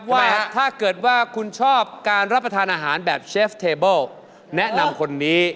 ผมขอบอกเลยนะครับว่าถ้าเกิดว่าคุณชอบการรับประทานอาหารแบบเชฟเทเบิลแนะนำคนนี้